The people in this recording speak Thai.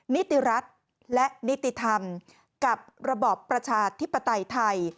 นิติรัฐและนิติธรรมกับระบอบประชาธิปไตยไทย